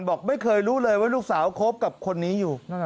บอกไม่เคยรู้เลยว่าลูกสาวคบกับคนนี้อยู่